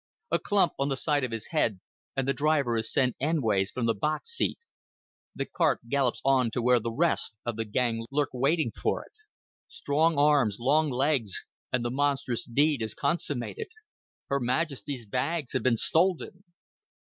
A clump on the side of his head, and the driver is sent endways from the box seat; the cart gallops on to where the, rest of the gang lurk waiting for it; strong arms, long legs, and the monstrous deed is consummated. Her Majesty's bags have been stolen.